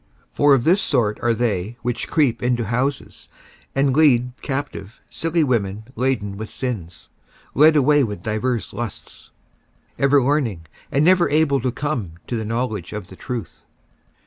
55:003:006 For of this sort are they which creep into houses, and lead captive silly women laden with sins, led away with divers lusts, 55:003:007 Ever learning, and never able to come to the knowledge of the truth.